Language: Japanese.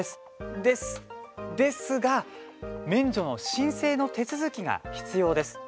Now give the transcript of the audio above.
ですが免除の申請の手続きが必要です。